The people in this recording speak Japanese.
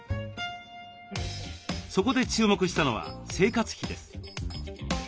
そこで注目したのは生活費です。